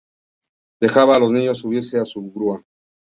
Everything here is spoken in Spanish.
Dejaba a los niños subirse a su grupa.